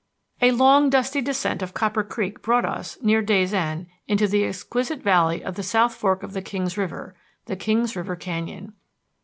A long, dusty descent of Copper Creek brought us, near day's end, into the exquisite valley of the South Fork of the Kings River, the Kings River Canyon.